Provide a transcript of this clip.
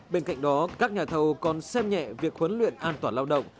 bên cạnh đó các nhà thầu còn xem nhẹ việc huấn luyện an toàn lao động